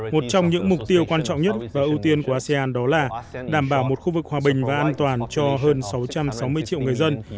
một trong những mục tiêu quan trọng nhất và ưu tiên của asean đó là đảm bảo một khu vực hòa bình và an toàn cho hơn sáu trăm sáu mươi triệu người dân